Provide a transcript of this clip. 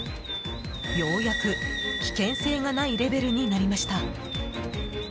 ようやく危険性がないレベルになりました。